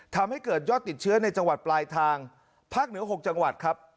ทำให้เกิดยอดติดเชื้อในจังหวัดปลายทางภาคเหนือ๖จังหวัดครับ